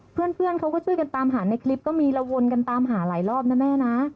เพื่อนเขาก็ช่วยกันตามหาในคลิปก็มีแล้ววนกันตามหาหลายรอบนะแม่นะ